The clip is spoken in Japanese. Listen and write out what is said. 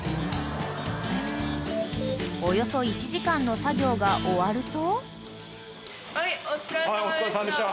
［およそ１時間の作業が終わると］